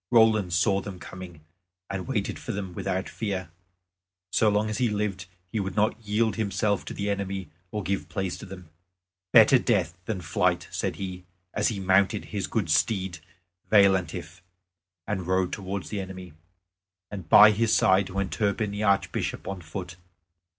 Roland saw them coming, and waited for them without fear. So long as he lived he would not yield himself to the enemy or give place to them. "Better death than flight," said he, as he mounted his good steed Veillantif, and rode towards the enemy. And by his side went Turpin the Archbishop on foot.